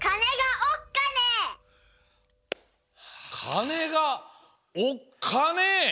かねがおっかね。